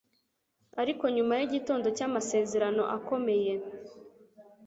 ariko nyuma y'igitondo cy'amasezerano akomeye